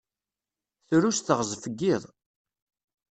Tru s teɣzef n yiḍ.